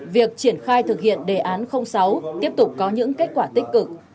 việc triển khai thực hiện đề án sáu tiếp tục có những kết quả tích cực